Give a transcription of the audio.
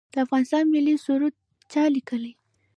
د افغانستان ملي سرود چا لیکلی؟